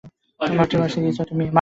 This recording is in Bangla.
মাল্টিভার্সে কী চাও তুমি?